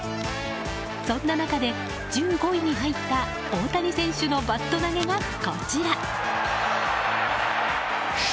そんな中で１５位に入った大谷選手のバット投げがこちら。